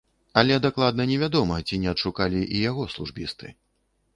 Але дакладна невядома, ці не адшукалі і яго службісты.